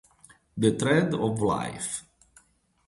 The Thread of Life